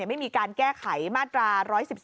ไม่มีการแก้ไขมาตรา๑๑๒